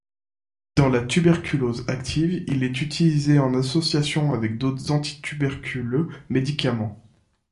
Dans la tuberculose active, il est utilisé en association avec d'autres antituberculeux médicaments.